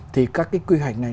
thì các cái quy hoạch này